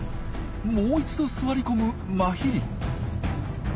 もう一度座り込むマヒリ。